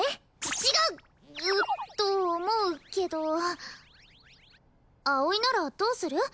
違う！と思うけど葵ならどうする？